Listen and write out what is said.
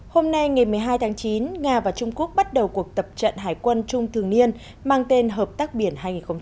hôm nay ngày một mươi hai tháng chín nga và trung quốc bắt đầu cuộc tập trận hải quân chung thường niên mang tên hợp tác biển hai nghìn một mươi chín